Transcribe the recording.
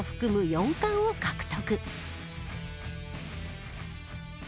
４冠を獲得。